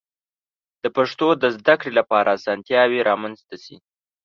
د پښتو د زده کړې لپاره آسانتیاوې رامنځته شي.